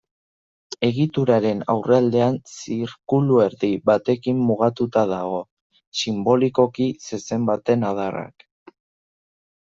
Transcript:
Egituraren aurrealdean zirkuluerdi batekin mugatuta dago, sinbolikoki, zezen baten adarrak.